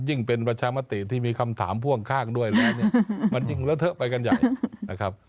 เป็นประชามติที่มีคำถามพ่วงข้างด้วยแล้วเนี่ยมันยิ่งเลอะเทอะไปกันใหญ่นะครับ